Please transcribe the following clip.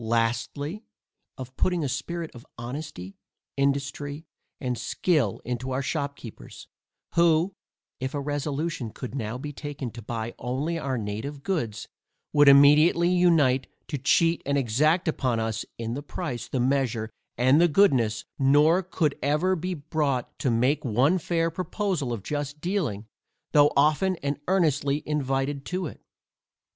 Lastly, of putting a spirit of honesty, industry, and skill into our shopkeepers, who, if a resolution could now be taken to buy only our native goods, would immediately unite to cheat and exact upon us in the price, the measure, and the goodness, nor could ever yet be brought to make one fair proposal of just dealing, though often and earnestly invited to it.